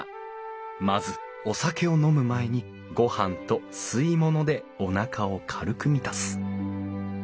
まずお酒を飲む前にご飯と吸い物でおなかを軽く満たす。